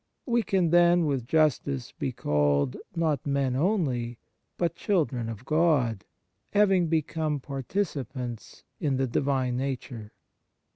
We can then, with justice, be called, not men only, but children of God, having become participants in the Divine Nature.